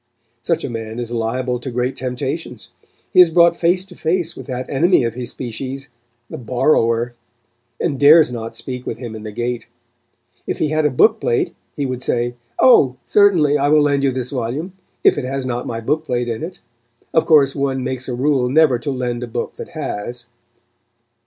Such a man is liable to great temptations. He is brought face to face with that enemy of his species, the borrower, and dares not speak with him in the gate. If he had a book plate he would say, "Oh! certainly I will lend you this volume, if it has not my book plate in it; of course, one makes a rule never to lend a book that has."